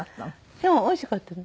でもおいしかったね。